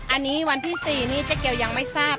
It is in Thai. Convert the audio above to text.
อันนี้วันที่๔นี้เจ๊เกียวยังไม่ทราบ